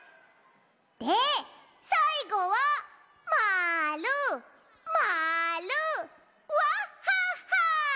でさいごはまるまるわっはっは。